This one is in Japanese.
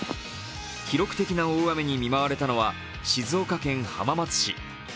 記録的な大雨に見舞われたのは静岡県浜松市。